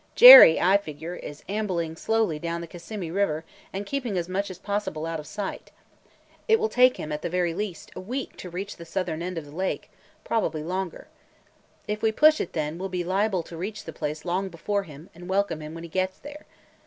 Jerry, I figure, is ambling slowly down the Kissimmee River and keeping as much as possible out of sight. It will take him at the very least a week to reach the southern end of the lake, probably longer. If we push it, then, we 'll be liable to reach the place long before him and welcome him when he gets there.